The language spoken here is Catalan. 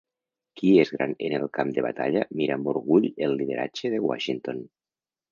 Qui és gran en el camp de batalla mira amb orgull el lideratge de Washington.